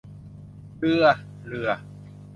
เรือ เรือ